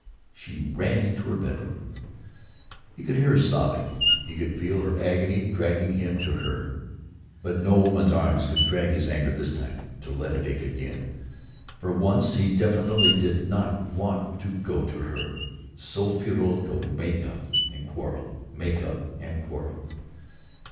she ran into her bedroom. He could hear her sobbing; he could feel her agony dragging him to her. But no woman's arms should drug his anger, this time, to let it ache again. For once he definitely did not want to go to her. So futile to make up and quarrel, make up and quarrel.